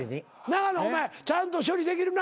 永野お前ちゃんと処理できるな？